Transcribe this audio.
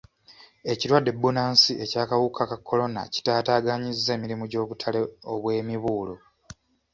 Ekirwadde bbunansi eky'akawuka ka kolona kitaataaganyizza emirimu gy'obutale obw'emibuulo.